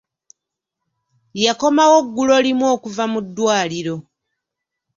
Yakomawo ggulo limu okuva mu ddwaliro.